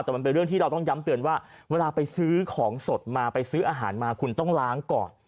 แต่มันเป็นเรื่องที่เราต้องย้ำเตือนว่าเวลาไปซื้อของสดมาไปซื้ออาหารมาคุณต้องล้างก่อน